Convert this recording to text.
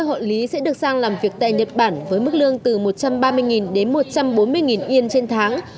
hai trăm bốn mươi hộ lý sẽ được sang làm việc tại nhật bản với mức lương từ một trăm ba mươi đến một trăm bốn mươi yên trên tháng